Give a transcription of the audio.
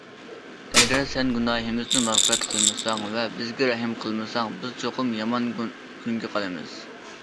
ئەگەر شەن گۇناھىمىزنى مەغپىرەت قىلمىساڭ ۋە بىزگە رەھىم قىلمىساڭ، بىز چوقۇم يامان كۈنگە قالىمىز.